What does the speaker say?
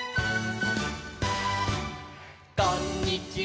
「こんにちは」